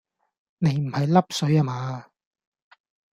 你唔係笠水呀嗎